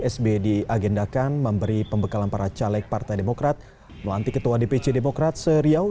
sb diagendakan memberi pembekalan para caleg partai demokrat melantik ketua dpc demokrat se riau